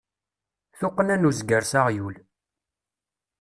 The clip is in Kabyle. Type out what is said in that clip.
Tuqqna n uzger s aɣyul.